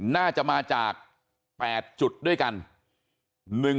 น่าจะมาจาก๘จุดด้วยกัน